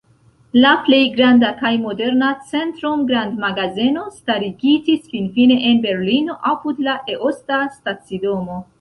La plej granda kaj moderna Centrum-grandmagazeno starigitis finfine en Berlino apud la Eosta stacidomo.